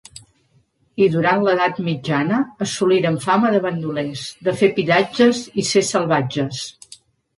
I durant l'edat mitjana assoliren fama de bandolers, de fer pillatges i ser salvatges.